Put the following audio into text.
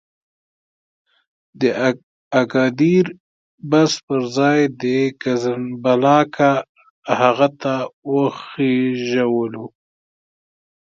د اګادیر بس پر ځای د کزنبلاکه هغه ته وخېژولو.